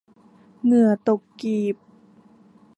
เหงื่อตกกีบ